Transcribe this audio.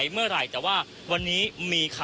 คุณทัศนาควดทองเลยค่ะ